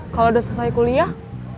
kalau udah selesai kuliah